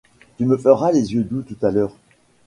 Tu me feras les yeux doux tout à l’heure !